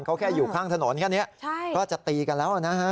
เขาแค่อยู่ข้างถนนแค่นี้ก็จะตีกันแล้วนะฮะ